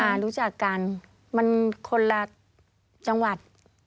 รู้จักกันมันคนละจังหวัด